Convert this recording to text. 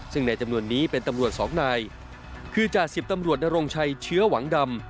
ซึ่งในจำนวนนี้เป็นตำรวจสองนายคือจ่าสิบตำรวจนรงชัยเชื้อหวังดำ